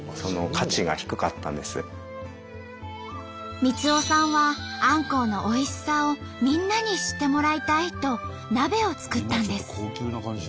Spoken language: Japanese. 光男さんはあんこうのおいしさをみんなに知ってもらいたいと鍋を作ったんです。